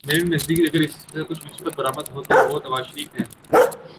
میرے نزدیک اگر اس میں سے کچھ مثبت برآمد ہوا تو وہ نواز شریف ہیں۔